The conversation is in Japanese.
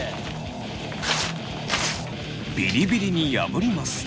ビリビリに破ります。